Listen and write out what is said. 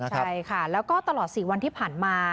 ใช่ค่ะแล้วก็ตลอด๔วันที่ผ่านมา